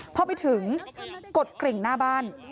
พอไปถึงกดกริ่งหน้าบ้าน